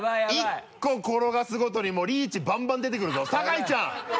１個転がすごとにもうリーチバンバン出てくるぞ酒井ちゃん！